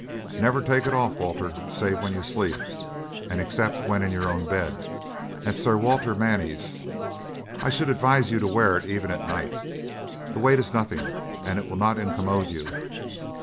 Never take it off, Walter, save when you sleep; and except when in your own bed, at Sir Walter Manny's, I should advise you to wear it even at night. The weight is nothing, and it will not incommode you.